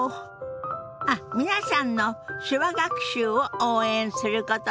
あっ皆さんの手話学習を応援することです！